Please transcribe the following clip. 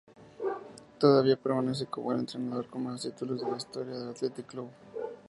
Todavía permanece como el entrenador con más títulos de la historia del Athletic Club.